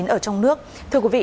ở trong nước thưa quý vị